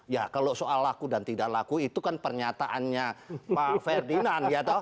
ya kalau soal laku dan tidak laku itu kan pernyataannya pak ferdinand